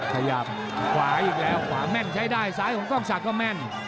ขยับขวาอีกแล้วขวาแม่นใช้ได้ซ้ายของกล้องศักดิ์ก็แม่น